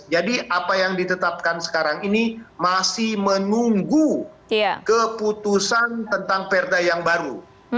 jadi apa yang ditetapkan sekarang ini masih menunggu keputusan tentang perda yang baru